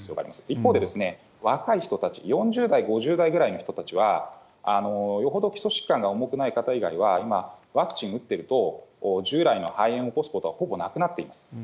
一方で、若い人たち、４０代、５０代ぐらいの人たちは、よほど基礎疾患が重くない方以外は、今ワクチン打ってると、従来の肺炎を起こすことはほぼなくなっています。